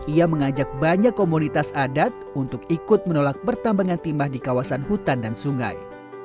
ia mengajak banyak komunitas adat untuk ikut menolak pertambangan timah di kawasan hutan dan sungai